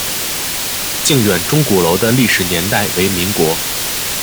靖远钟鼓楼的历史年代为民国。